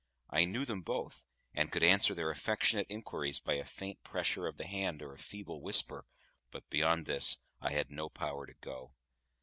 I knew them both, and could answer their affectionate inquiries by a faint pressure of the hand or a feeble whisper, but beyond this I had no power to go.